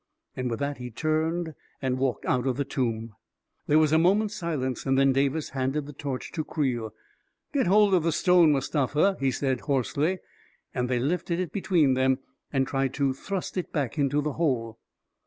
" And with that he turned and walked out of the tomb. There was a moment's silence, then Davis handed the torch to Creel. "Get hold of the stone, Mustafa," he said, hoarsely, and they lifted it between them and tried to thrust it back into the hole.